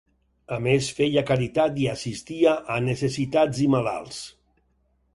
A més, feia caritat i assistia a necessitats i malalts.